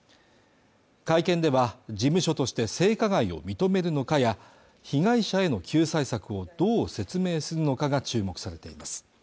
会見では事務所として性加害を認めるのかや被害者への救済策をどう説明するのかが注目されています